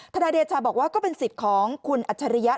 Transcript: นายเดชาบอกว่าก็เป็นสิทธิ์ของคุณอัจฉริยะ